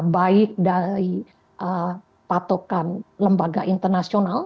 baik dari patokan lembaga internasional